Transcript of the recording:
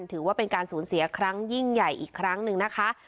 ถือว่าเป็นการสูญเสียครั้งยิ่งใหญ่อีกครั้งหนึ่งนะคะ